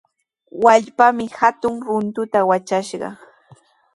Wallpaami hatun runtuta watrashqa.